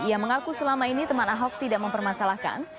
ia mengaku selama ini teman ahok tidak mempermasalahkan